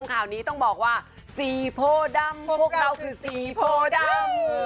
ข่าวนี้ต้องบอกว่าสีโพดำพวกเราคือสีโพดำ